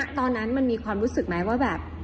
ตอนนั้นมันมีความรู้สึกไหมว่าแบบ